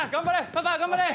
パパ頑張れ！